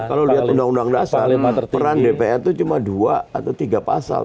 kalau lihat undang undang dasar peran dpr itu cuma dua atau tiga pasal